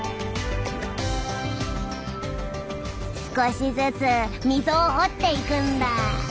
「少しずつ溝を掘っていくんだ」。